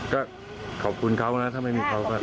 ก็ขอบคุณเขานะถ้าไม่มีเขาก็